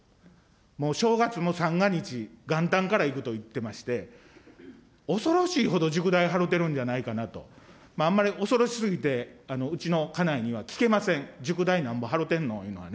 もう正月も三が日、元旦から行くといっていまして、恐ろしいほど塾代はろうてるんじゃないかなと、あんまり恐ろしすぎて、うちの家内には聞けません、塾代なんぼ払ってるのって。